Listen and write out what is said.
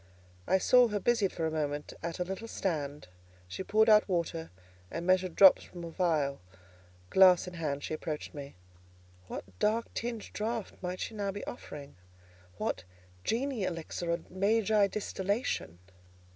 I saw her busied for a moment at a little stand; she poured out water, and measured drops from a phial: glass in hand, she approached me. What dark tinged draught might she now be offering? what Genii elixir or Magi distillation?